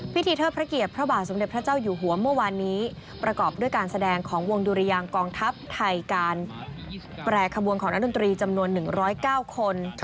เทิดพระเกียรติพระบาทสมเด็จพระเจ้าอยู่หัวเมื่อวานนี้ประกอบด้วยการแสดงของวงดุรยางกองทัพไทยการแปรขบวนของนักดนตรีจำนวน๑๐๙คน